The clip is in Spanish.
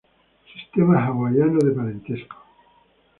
Sistema hawaiano de parentesco